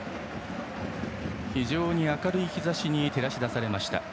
非常に明るい日ざしに照らし出されました。